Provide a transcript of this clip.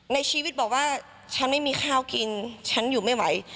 ในชีวิตบอกว่าฉันไม่มีข้าวกินฉันอยู่ไม่ไหว